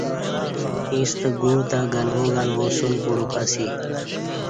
ییستہ گوع تہ گنوا گنوا سن پڑوک اسی